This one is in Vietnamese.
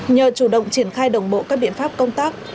nhờ chủ động triển khai đồng bộ các biện pháp công tác